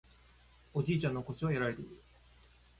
おじいちゃんの腰はやられている